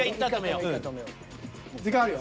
時間あるよ。